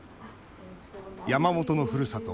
山本のふるさと